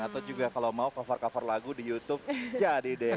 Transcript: atau juga kalau mau cover cover lagu di youtube jadi deh